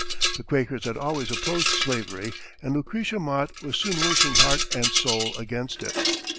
The Quakers had always opposed slavery and Lucretia Mott was soon working heart and soul against it.